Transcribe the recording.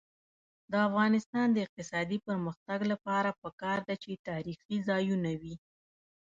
د افغانستان د اقتصادي پرمختګ لپاره پکار ده چې تاریخي ځایونه وي.